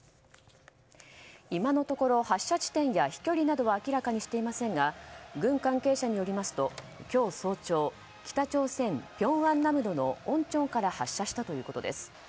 今のところ発射地点や飛距離などは明らかにしていませんが軍関係者によりますと今日早朝北朝鮮ピョンアンナムドのオンチョンから発射したということです。